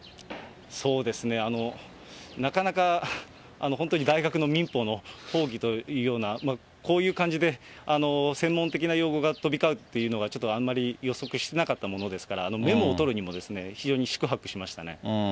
なかなか本当に大学の民法の講義というような、こういう感じで、専門的な用語が飛び交うというのがちょっとあんまり予測してなかったものですから、メモを取るにも、非常に四苦八苦しましたね。